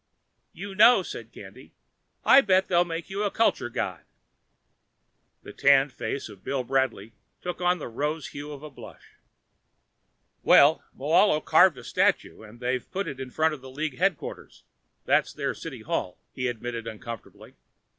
"You know," said Candy, "I'll bet they'll make you a culture god." The tanned face of Bill Bradley took on the rose hue of a blush. "Well, Moahlo carved a statue and they've put it in front of league headquarters that's their city hall," he admitted uncomfortably.